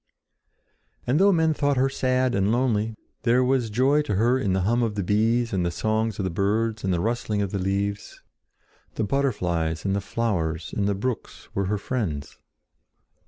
And though men thought her sad and lonely, there was joy to her in the hum of the bees and the song of the birds and the rustling of the leaves. The butterflies and the flowers and the brooks were her friends.